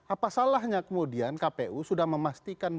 apa salahnya kemudian kpu sudah memastikan